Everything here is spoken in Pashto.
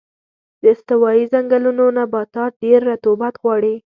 د استوایي ځنګلونو نباتات ډېر رطوبت غواړي.